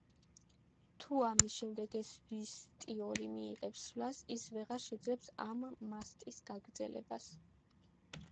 თუ ამის შემდეგ ეს ვისტიორი მიიღებს სვლას, ის ვეღარ შეძლებს ამ მასტის გაგრძელებას.